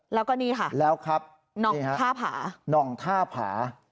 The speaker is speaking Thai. แล้วก็นี่ค่ะนองท่าผา